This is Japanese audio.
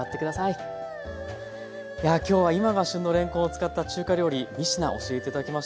いやあ今日は今が旬のれんこんを使った中華料理３品教えて頂きました。